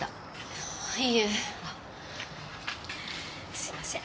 すいません。